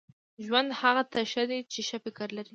• ژوند هغه ته ښه دی چې ښه فکر لري.